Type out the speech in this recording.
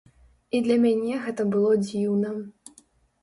І для мяне гэта было дзіўна.